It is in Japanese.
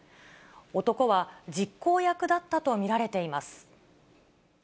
男は実行役だったと見られています。